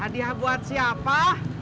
hadiah buat siapa